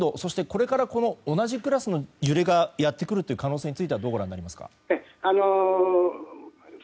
これから同じクラスの揺れがやってくる可能性についてはどうご覧になりますか？